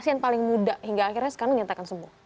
pasien paling muda hingga akhirnya sekarang menyatakan sembuh